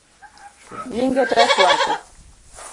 Nyinge tek wacho